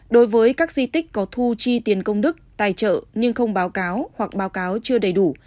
đối với các di tích có thu chi tiền công đức tài trợ nhưng không báo cáo hoặc báo cáo chưa đầy đủ